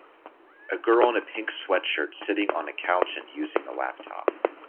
A Girl in a pink sweatshirt sitting on a couch and using a laptop.